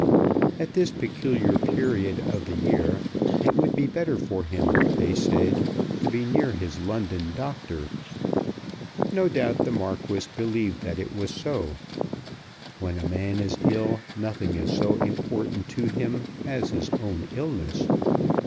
At this peculiar period of the year, it would be better for him, they said, to be near his London doctor. No doubt the Marquis believed that it was so. When a man is ill nothing is so important to him as his own illness.